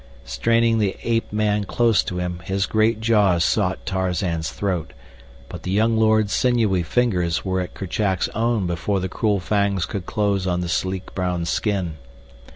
Straining the ape man close to him, his great jaws sought Tarzan's throat, but the young lord's sinewy fingers were at Kerchak's own before the cruel fangs could close on the sleek brown skin.